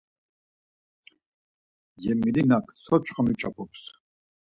Cemilinak so çxomi ç̌opums?